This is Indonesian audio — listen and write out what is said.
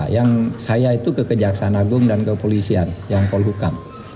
yang saya itu ke kejaksaan agung dan kepolisian yang polhukam